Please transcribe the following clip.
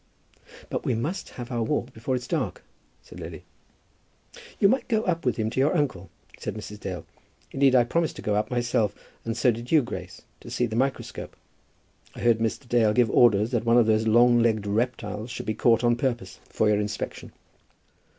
"But we must have our walk before it is dark," said Lily. "You might go up with him to your uncle," said Mrs. Dale. "Indeed, I promised to go up myself, and so did you, Grace, to see the microscope. I heard Mr. Dale give orders that one of those long legged reptiles should be caught on purpose for your inspection."